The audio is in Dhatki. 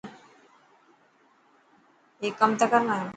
هيڪ ڪم ته ڪر مايون.